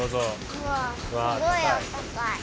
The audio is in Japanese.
うわすごいあったかい。